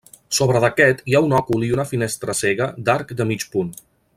Sobre d'aquest hi ha un òcul i una finestra cega d'arc de mig punt.